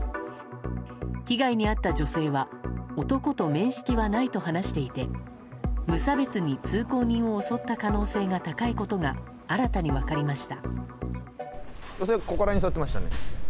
被害に遭った女性は男と面識はないと話していて無差別に通行人を襲った可能性が高いことが新たに分かりました。